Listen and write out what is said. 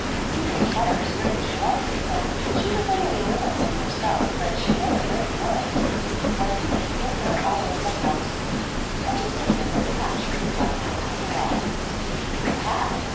"You may call her as great as you like," he said. "She was only a little thing herself, but she made a great noise. Why, you could hear her all over the house ; and to think that the cat should have got her, after all 1" "The cat!"